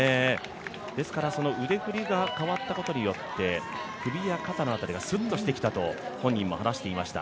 ですから腕振りが変わったことによって、首や肩などがすっとしてきたと本人も話していました。